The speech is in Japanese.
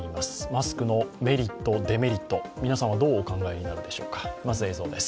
マスクのメリット・デメリット、皆さんはどうお考えになるでしょうか。